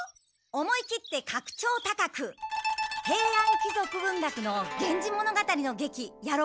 思い切ってかく調高く平安貴族文学の「源氏物語」の劇やろうかと思って。